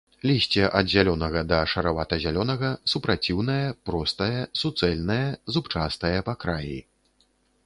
Лісце ад зялёнага да шаравата-зялёнага, супраціўнае, простае, суцэльнае, зубчастае па краі.